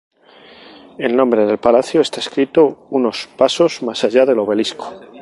El nombre del palacio está escrito unos pasos más allá del obelisco.